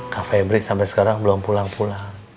kafe brick sampai sekarang belum pulang pulang